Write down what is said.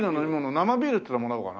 生ビールってのもらおうかな。